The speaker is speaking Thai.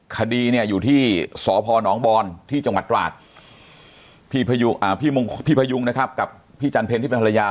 คดีเนี่ยอยู่ที่สพนบอนที่จังหวัดตราดพี่พยุงนะครับกับพี่จันเพลที่เป็นภรรยา